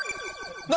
何？